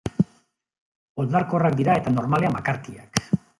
Oldarkorrak dira eta normalean bakartiak.